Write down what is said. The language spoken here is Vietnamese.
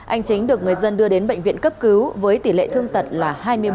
anh chính được người dân đưa đến bệnh viện cấp cứu với tỷ lệ thương tật là hai mươi ba